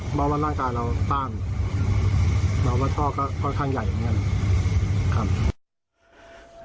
เพราะว่าร่างกายเราสตรรแต่ว่าท่อค่อนข้างใหญ่ครับ